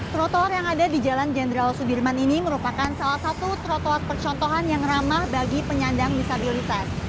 trotoar yang ada di jalan jenderal sudirman ini merupakan salah satu trotoar percontohan yang ramah bagi penyandang disabilitas